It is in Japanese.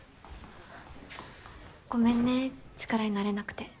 ごめんね力になれなくて。